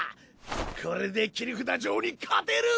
これで切札ジョーに勝てる！